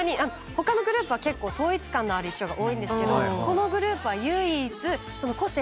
他のグループは結構統一感のある衣装が多いんですけどこのグループは。